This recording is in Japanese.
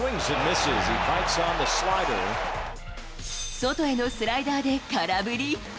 外へのスライダーで空振り。